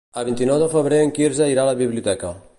El vint-i-nou de febrer en Quirze irà a la biblioteca.